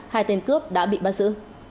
hai tên cướp đã bị bắt giữ